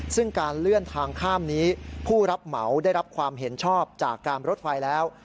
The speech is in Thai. ซึ่งการเลื่อนทางข้ามนี้ผู้รับเหมาได้รับความเห็นชอบจากการรถไฟแล้ว